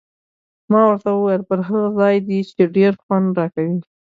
ما ورته وویل: پر هغه ځای دې، چې ډېر خوند راکوي.